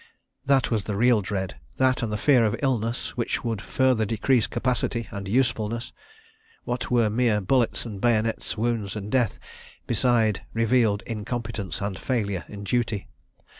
That was the real dread, that and the fear of illness which would further decrease capacity and usefulness. What were mere bullets and bayonets, wounds and death, beside revealed incompetence and failure in duty?